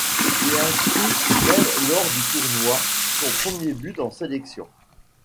Il inscrit même lors du tournoi, son premier but en sélection.